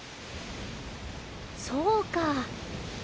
そうか。